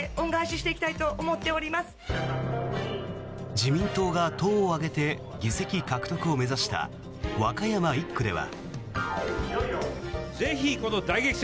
自民党が党を挙げて議席獲得を目指した和歌山１区では。